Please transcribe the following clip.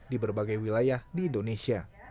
di berbagai wilayah di indonesia